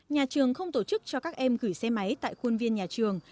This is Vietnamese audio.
nhà trường không tổ chức cho các em gửi xe máy tại khuôn viên nhà trường